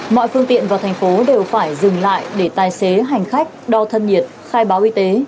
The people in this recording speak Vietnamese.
mọi phương tiện vào thành phố đều phải dừng lại để tài xế hành khách đo thân nhiệt khai báo y tế